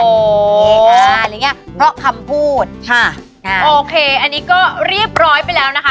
อะไรอย่างเงี้ยเพราะคำพูดค่ะอ่าโอเคอันนี้ก็เรียบร้อยไปแล้วนะคะ